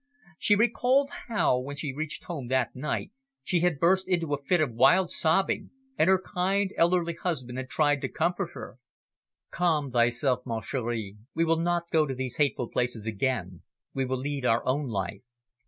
She recalled how, when she had reached home that night, she had burst into a fit of wild sobbing, and her kindly, elderly husband had tried to comfort her. "Calm thyself, ma cherie, we will not go to these hateful places again. We will lead our own life."